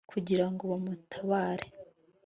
kugira ngo bamutabare